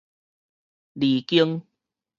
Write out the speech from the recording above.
離經